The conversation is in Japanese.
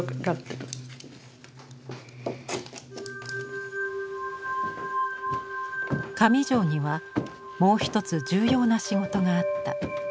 上條にはもう一つ重要な仕事があった。